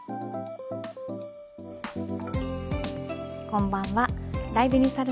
こんばんは。